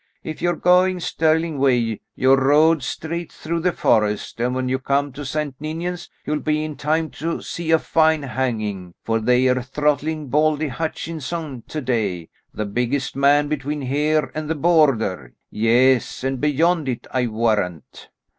"If you're going Stirling way, your road's straight through the forest, and when you come to St. Ninians you'll be in time to see a fine hanging, for they're throttling Baldy Hutchinson to day, the biggest man between here and the Border, yes, and beyond it, I warrant."